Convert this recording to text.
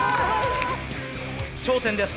頂点です。